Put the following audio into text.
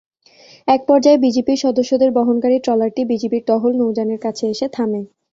একপর্যায়ে বিজিপির সদস্যদের বহনকারী ট্রলারটি বিজিবির টহল নৌযানের কাছে এসে থামে।